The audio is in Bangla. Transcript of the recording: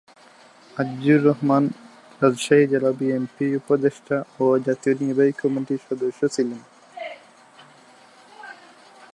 আজিজুর রহমান রাজশাহী জেলা বিএনপির উপদেষ্টা ও জাতীয় নির্বাহী কমিটির সদস্য ছিলেন।